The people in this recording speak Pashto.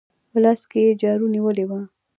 په لاس کې يې جارو نيولې وه.